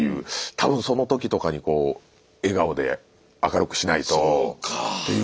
多分その時とかにこう笑顔で明るくしないとっていう。